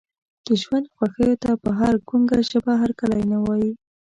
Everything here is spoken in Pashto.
د ژوند خوښیو ته په ګونګه ژبه هرکلی نه وایي.